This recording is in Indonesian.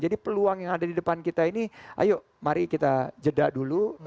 jadi peluang yang ada di depan kita ini ayo mari kita jeda dulu